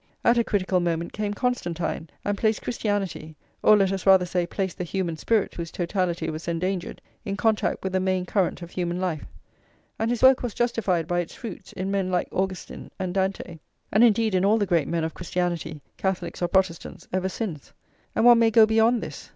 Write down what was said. At a critical moment came Constantine, and placed Christianity, or let us rather say, placed the human spirit, whose totality was endangered, in contact with the main current of human life. And his work was justified by its fruits, in men like Augustine and Dante, and indeed in all the great men of Christianity, Catholics or Protestants, ever since. And one may go beyond this.